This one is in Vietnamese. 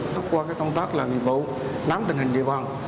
tốt qua công tác là nghiệp bộ nắm tình hình địa bàn